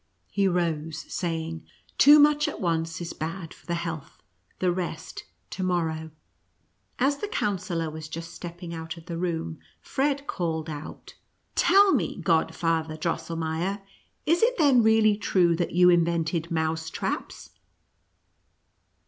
He rose, saying, " Too much at once is bad for the health — the rest to morrow." As the Coun sellor was just stepping out of the room, Fred called out, " Tell me, Godfather Drosselmeier, is it then really true that you invented mouse traps